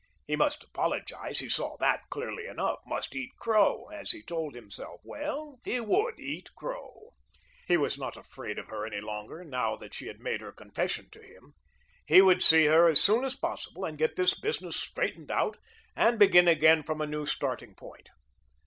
He must apologise, he saw that clearly enough, must eat crow, as he told himself. Well, he would eat crow. He was not afraid of her any longer, now that she had made her confession to him. He would see her as soon as possible and get this business straightened out, and begin again from a new starting point.